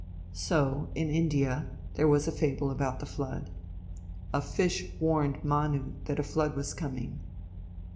So, in India, there was a fable about the flood. A fish warned Manu that a flood was coming.